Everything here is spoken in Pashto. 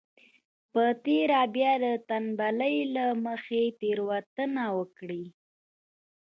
په تېره بيا د تنبلۍ له مخې تېروتنه وکړي.